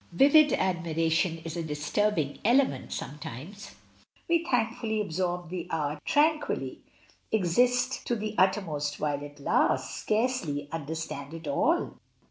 Vivid admiration is a disturbing element sometimes, we thankfully absorb the hour tranquilly, exist to the uttermost while it lasts, scarcely under stand it all.